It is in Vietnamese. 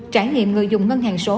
trải nghiệm người dùng ngân hàng số